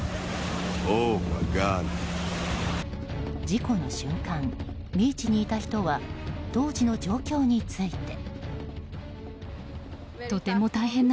事故の瞬間、ビーチにいた人は当時の状況について。